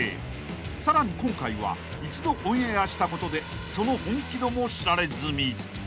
［さらに今回は一度オンエアしたことでその本気度も知られ済み］